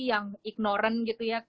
yang ignorant gitu ya